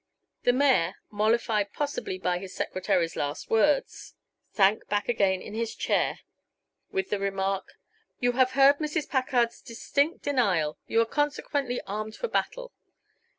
The mayor, mollified possibly by his secretary's last words, sank back again in his chair with the remark: "You have heard Mrs. Packard's distinct denial. You are consequently armed for battle.